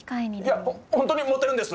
いや本当に持ってるんです。